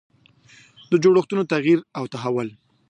د جوړښتونو تغییر او تحول.